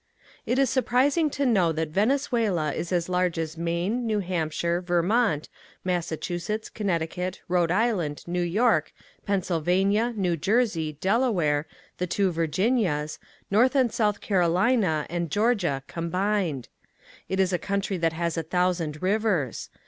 It is surprising to know that Venezuela is as large as Maine, New Hampshire, Vermont, Massachusetts, Connecticut, Rhode Island, New York, Pennsylvania, New Jersey, Delaware, the two Virginias, North and South Carolina and Georgia combined. It is a country that has a thousand rivers.